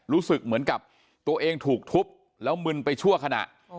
รู้สึกเหมือนกับตัวเองถูกทุบแล้วมึนไปชั่วขณะ